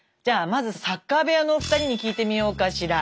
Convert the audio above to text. まずサッカー部屋のお二人に聞いてみようかしら。